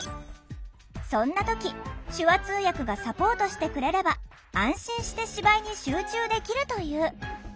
そんな時手話通訳がサポートしてくれれば安心して芝居に集中できるという。